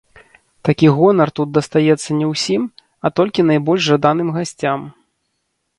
Такі гонар тут дастаецца не ўсім, а толькі найбольш жаданым гасцям.